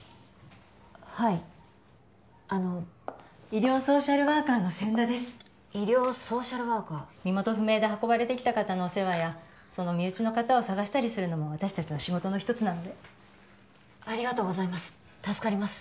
はいあの医療ソーシャルワーカーの千田です医療ソーシャルワーカー身元不明で運ばれてきた方のお世話やその身内の方を捜したりするのも私達の仕事の一つなんでありがとうございます助かります